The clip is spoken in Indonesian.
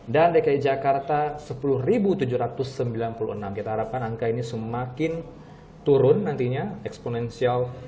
dan dki jakarta sepuluh tujuh ratus sembilan puluh enam kita harapkan angka ini semakin turun nantinya eksponensial